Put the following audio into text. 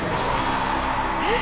え？